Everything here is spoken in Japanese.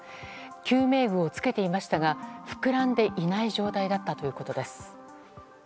救命具を着けていましたが膨らんでいない状態だったということです。